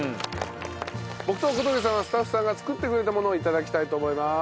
僕と小峠さんはスタッフさんが作ってくれたものを頂きたいと思います。